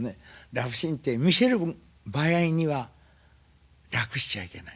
ラブシーンって見せる場合には楽しちゃいけない。